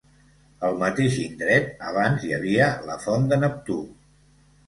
Al mateix indret, abans hi havia la font de Neptú.